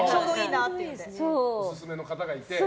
オススメの方がいて。